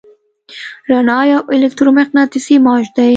رڼا یو الکترومقناطیسي موج دی.